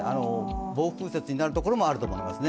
暴風雪になる所もあると思いますね。